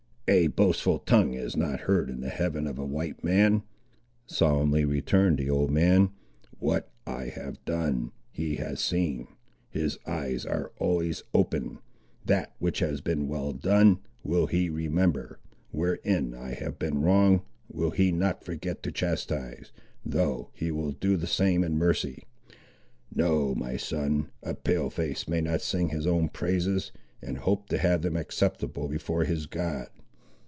"A boastful tongue is not heard in the heaven of a white man," solemnly returned the old man. "What I have done, He has seen. His eyes are always open. That, which has been well done, will He remember; wherein I have been wrong will He not forget to chastise, though He will do the same in mercy. No, my son; a Pale face may not sing his own praises, and hope to have them acceptable before his God."